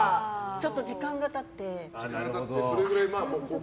ちょっと時間が経って。